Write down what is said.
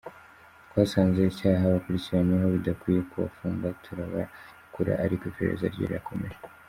Twasanze icyaha bakurikiranyweho bidakwiye kubafunga turabarekura ariko iperereza ryo rirakomeje.